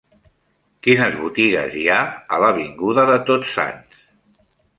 Quines botigues hi ha a l'avinguda de Tots Sants?